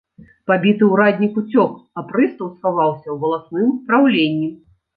Пабіты ураднік уцёк, а прыстаў схаваўся ў валасным праўленні.